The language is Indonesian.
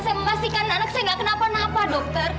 saya memastikan anak saya gak kenapa napa dokter